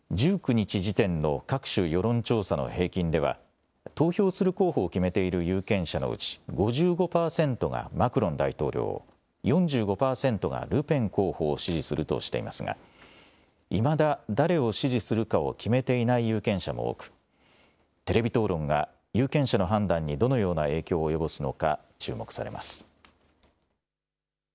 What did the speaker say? １９日時点の各種世論調査の平均では投票する候補を決めている有権者のうち５５％がマクロン大統領を４５％がルペン候補を支持するとしていますがいまだ誰を支持するかを決めていない有権者も多くテレビ討論が有権者の判断にどのような影響を及ぼすのか注目されます。